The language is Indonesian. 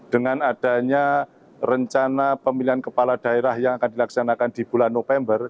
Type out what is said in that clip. dengan adanya rencana pemilihan kepala daerah yang akan dilaksanakan di bulan november